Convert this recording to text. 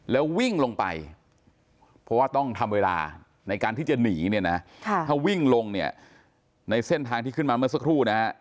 แล้ววิ่งลงไปเพราะว่าต้องทำเวลาในการที่จะหนีเนี่ยนะถ้าวิ่งลงเนี่ยในเส้นทางที่ขึ้นมาเมื่อสักครู่นะฮะ